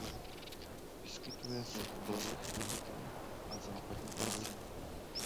Vyskytuje se v oblastech Evropy a západní Asie.